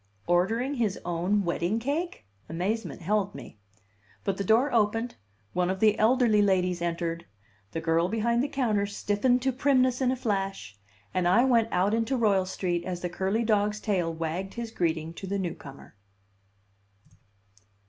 "Ordering his own wedding cake?" Amazement held me. But the door opened, one of the elderly ladies entered, the girl behind the counter stiffened to primness in a flash, and I went out into Royal Street as the curly dog's tail wagged his greeting to the newcomer.